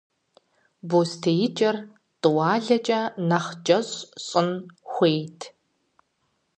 БостеикӀэр тӀуалэкӀэ нэхъ кӀэщӀ щӀын хуейт.